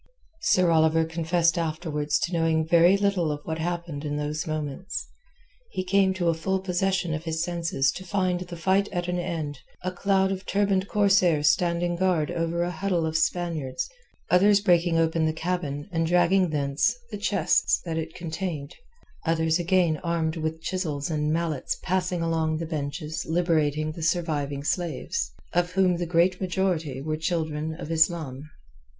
Sir Oliver confessed afterwards to knowing very little of what happened in those moments. He came to a full possession of his senses to find the fight at an end, a cloud of turbaned corsairs standing guard over a huddle of Spaniards, others breaking open the cabin and dragging thence the chests that it contained, others again armed with chisels and mallets passing along the benches liberating the surviving slaves, of whom the great majority were children of Islam.